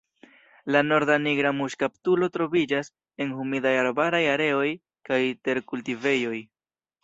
La Norda nigra muŝkaptulo troviĝas en humidaj arbaraj areoj kaj terkultivejoj.